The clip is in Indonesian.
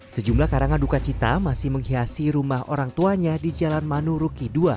sejumlah karangan duka cita masih menghiasi rumah orang tuanya di jalan manuruki dua